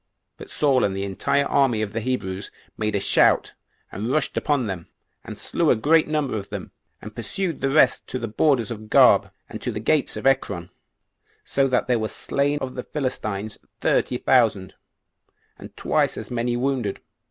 But Saul and the entire army of the Hebrews made a shout, and rushed upon them, and slew a great number of them, and pursued the rest to the borders of Garb, and to the gates of Ekron; so that there were slain of the Philistines thirty thousand, and twice as many wounded.